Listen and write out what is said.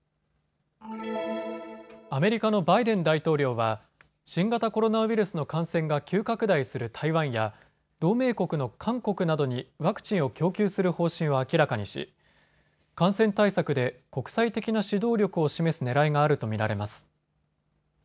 アメリカのバイデン大統領は、新型コロナウイルスの感染が急拡大する台湾や同盟国の韓国などにワクチンを供給する方針を明らかにし感染対策で国際的な指導力を示すねらいがあると見られます。